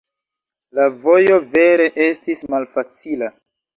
La vojo vere estis malfacila.